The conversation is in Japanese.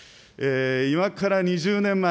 今から２０年前、